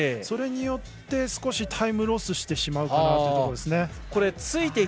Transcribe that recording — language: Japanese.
それによって、少しタイムロスをしてしまうかなというところです。